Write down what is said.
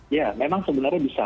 ya memang sebenarnya bisa